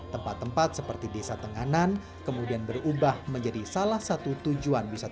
tempat tempat seperti desa tenganan kemudian berubah menjadi salah satu tujuan wisata